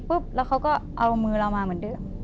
แล้วเขาก็เอามือเรามาเหมือนเดิม